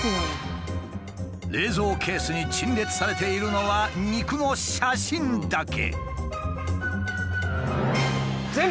冷蔵ケースに陳列されているのは肉の写真だけ。